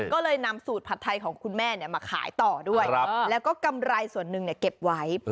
ก็เลยนำสูตรผัดไทยของคุณแม่มาขายต่อด้วยแล้วก็กำไรส่วนหนึ่งเก็บไว้